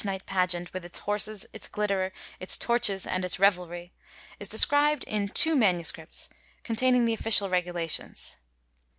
PAUL'S night pageant, with its horses, its glitter, its torches and its revelry, is described in two MSS. containing the official regulations.